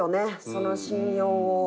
その信用を。